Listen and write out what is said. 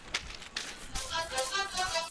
هغه وويل چي مکتب مهم دی!.